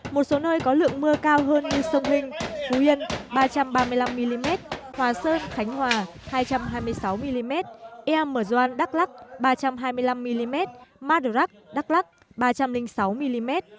một số nơi có lượng mưa cao hơn như sông hình phú yên ba trăm ba mươi năm mm hòa sơn khánh hòa hai trăm hai mươi sáu mm ea mờ doan đắk lắc ba trăm hai mươi năm mm madurak đắk lắc ba trăm linh sáu mm